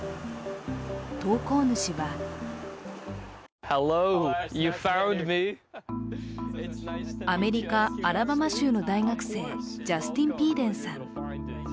投稿主はアメリカ・アラバマ州の大学生、ジャスティン・ピーデンさん。